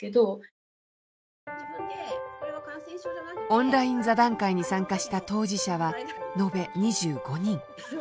オンライン座談会に参加した当事者は延べ２５人。